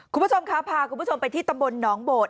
คุณผู้ชมครับพาคุณผู้ชมไปที่ตำบลหนองโบด